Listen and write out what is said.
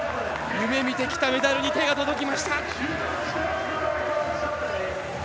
夢みてきたメダルに手が届きました！